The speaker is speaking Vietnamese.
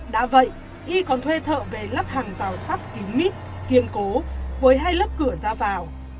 đã vậy y còn thuê thợ về lắp hàng rào sắt kín mít kiên cố với hai lớp cửa ra vào